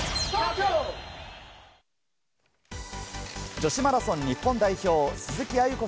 女子マラソン日本代表・鈴木亜由子